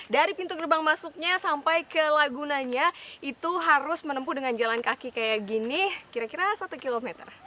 dari pintu gerbang masuknya sampai ke lagunanya itu harus menempuh dengan jalan kaki kayak gini kira kira satu km